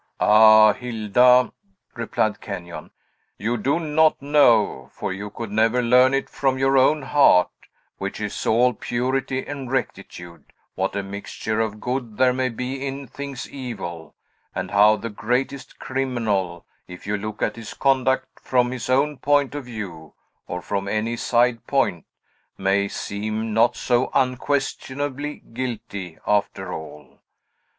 "Ah, Hilda," replied Kenyon, "you do not know, for you could never learn it from your own heart, which is all purity and rectitude, what a mixture of good there may be in things evil; and how the greatest criminal, if you look at his conduct from his own point of view, or from any side point, may seem not so unquestionably guilty, after all.